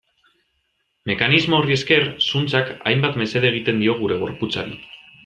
Mekanismo horri esker, zuntzak hainbat mesede egiten dio gure gorputzari.